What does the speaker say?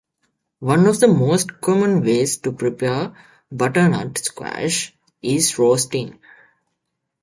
One of the most common ways to prepare butternut squash is roasting.